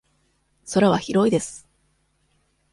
空は広いです。